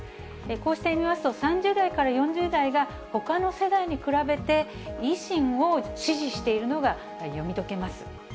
こうして見ますと、３０代から４０代が、ほかの世代に比べて、維新を支持しているのが読み解けます。